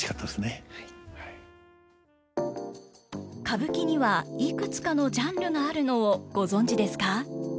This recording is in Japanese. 歌舞伎にはいくつかのジャンルがあるのをご存じですか？